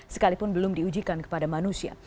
sekalipun belum diujikan kepada manusia